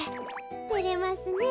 てれますねえ。